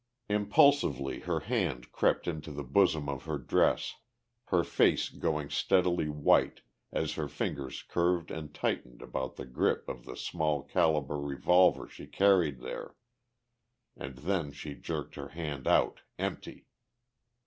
Impulsively her hand crept into the bosom of her dress, her face going steadily white as her fingers curved and tightened about the grip of the small calibre revolver she carried there. And then she jerked her hand out, empty.